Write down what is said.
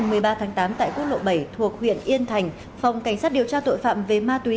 ngày một mươi ba tháng tám tại quốc lộ bảy thuộc huyện yên thành phòng cảnh sát điều tra tội phạm về ma túy